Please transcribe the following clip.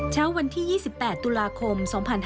เช้าวันที่๒๘ตุลาคม๒๕๕๙